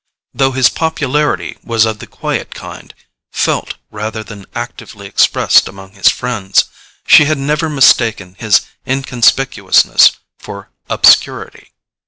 Though his popularity was of the quiet kind, felt rather than actively expressed among his friends, she had never mistaken his inconspicuousness for obscurity.